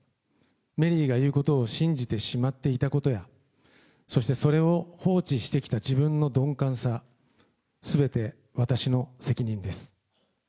メリーが言うことを信じてしまっていたことや、そしてそれを放置してきた自分の鈍感さ、すべて私の責任です。